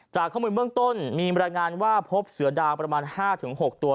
จากข้อมูลเบื้องต้นมีบรรยายงานว่าพบเสือดาวประมาณ๕๖ตัว